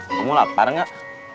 kamu lapar gak